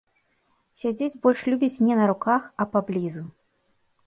Сядзець больш любіць не на руках, а паблізу.